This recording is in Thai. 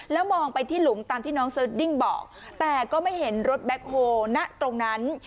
แล้วมองไปที่หลุมตามที่น้องสดิ้งบอกแต่ก็ไม่เห็นรถแบ็คโฮลณตรงนั้น